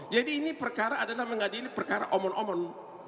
jadi ini perkara adalah mengadili perkara omon omon